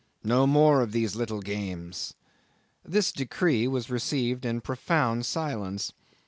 No more of these little games." This decree was received in profound silence.